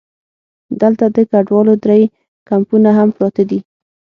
دلته د کډوالو درې کمپونه هم پراته دي.